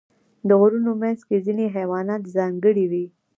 د غرونو منځ کې ځینې حیوانات ځانګړي وي.